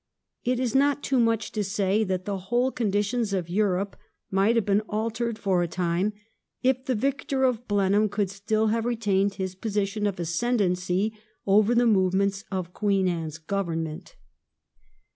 It is not too much to say that the whole conditions of Europe might have been altered for a time if the victor of Blenheim could stiU have retained his position of ascendency over the move ments of Queen Anne's Government.